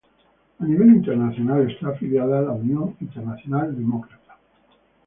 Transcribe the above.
A nivel internacional, está afiliado a la Unión Internacional Demócrata.